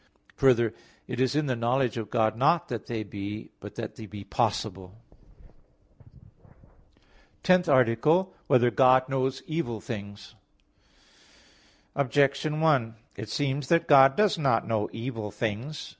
Further, it is in the knowledge of God not that they be, but that they be possible. _______________________ TENTH ARTICLE [I, Q. 14, Art. 10] Whether God Knows Evil Things? Objection 1: It seems that God does not know evil things.